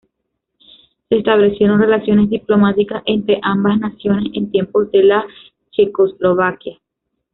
Se establecieron relaciones diplomáticas entre ambas naciones en tiempos de la Checoslovaquia.